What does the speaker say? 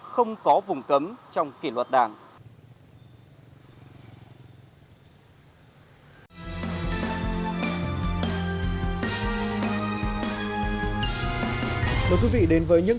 không có vùng cấm trong kỷ luật đảng